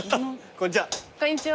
こんにちは。